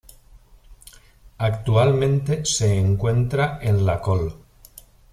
Actualmente se encuentra en la Col.